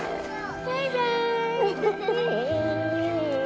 バイバーイ。